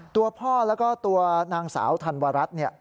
ตัวพ่อแล้วก็ตัวนางสาวธันวรัฐเนี่ย